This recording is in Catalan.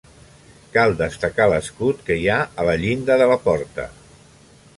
Cal destacar l'escut que hi ha a la llinda de la porta.